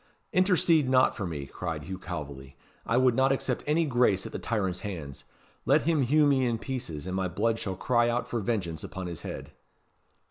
"Intercede not for me," cried Hugh Calveley. "I would not accept any grace at the tyrant's hands. Let him hew me in pieces, and my blood shall cry out for vengeance upon his head."